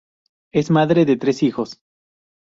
Es madre de tres hijos.